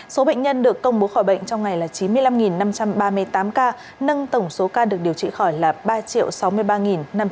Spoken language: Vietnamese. số bệnh nhân được công bố khỏi bệnh trong ngày là chín mươi năm năm trăm ba mươi tám ca nâng tổng số ca được điều trị khỏi là ba sáu mươi ba năm trăm tám mươi